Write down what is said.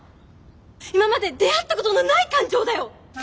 今まで出会ったことのない感情だよ！